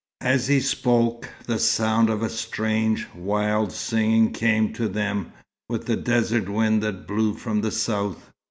As he spoke, the sound of a strange, wild singing came to them, with the desert wind that blew from the south.